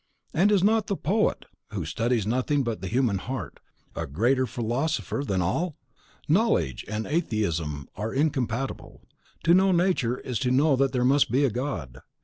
And is not the POET, who studies nothing but the human heart, a greater philosopher than all? Knowledge and atheism are incompatible. To know Nature is to know that there must be a God.